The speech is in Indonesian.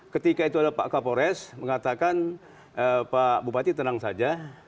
ketika itu ada pak kapolres mengatakan pak bupati tenang saja